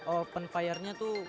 open fire nya tuh